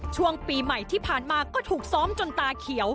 ช่วงปีใหม่ที่ผ่านมาก็ถูกซ้อมจนตาเขียว